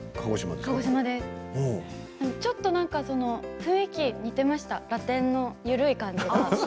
ちょっと雰囲気が似ていました、ラテンの緩い感じが。